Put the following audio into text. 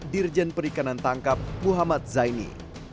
dan perikanan tangkap muhammad zaini